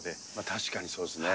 確かにそうですね。